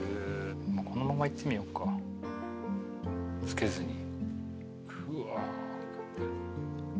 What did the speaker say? このままいってみようかつけずに。